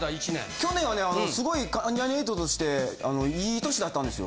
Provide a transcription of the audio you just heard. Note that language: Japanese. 去年はねすごい関ジャニ∞として良い年だったんですよ。